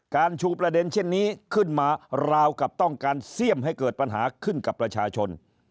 ชูประเด็นเช่นนี้ขึ้นมาราวกับต้องการเสี่ยมให้เกิดปัญหาขึ้นกับประชาชน